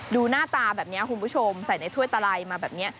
ดูหน้าตาแบบนี้คุณผู้ชมใส่ในถ้วยตะไลมาแบบนี้